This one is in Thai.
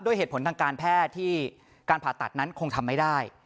เหตุผลทางการแพทย์ที่การผ่าตัดนั้นคงทำไม่ได้